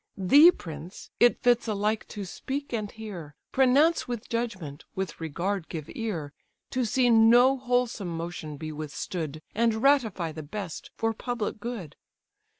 Thee, prince! it fits alike to speak and hear, Pronounce with judgment, with regard give ear, To see no wholesome motion be withstood, And ratify the best for public good.